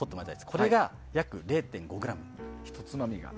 これが約０．５ｇ。